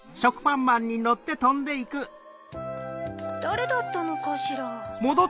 だれだったのかしら？